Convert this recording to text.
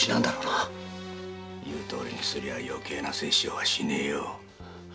言うとおりにすりゃよけいな殺生はしないよ。